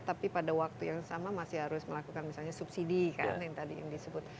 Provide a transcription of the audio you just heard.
tapi pada waktu yang sama masih harus melakukan misalnya subsidi kan yang tadi yang disebut